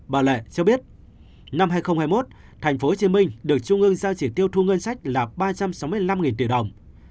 bà lệ cho biết năm hai nghìn hai mươi một thành phố hồ chí minh được trung ương ra chỉ tiêu thu ngân sách là ba trăm sáu mươi năm tỷ đồng